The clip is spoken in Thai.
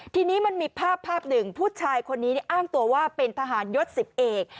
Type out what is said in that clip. ทีนี้มันมีภาพภาพหนึ่งผู้ชายคนนี้อ้างตัวว่าเป็นทหารยศ๑๐เอก